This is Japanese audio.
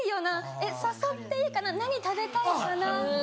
えっ誘っていいかな何食べたいかなとか。